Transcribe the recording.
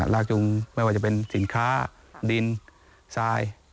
ลากจุงไม่ว่าจะเป็นสินค้าดินทราย